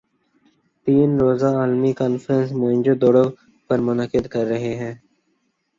تین روزہ عالمی کانفرنس موئن جو دڑو پر منعقد کررہے ہیں